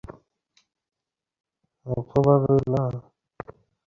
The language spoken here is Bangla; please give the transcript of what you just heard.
অপু ভাবিল-এর সঙ্গে কেউ খেলা করে না, একে নিয়ে একটু খেলি।